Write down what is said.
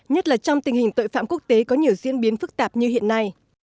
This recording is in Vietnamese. nhất là trong tình hình tội phạm quốc tế có nhiều diễn biến phức tạp như hiện nay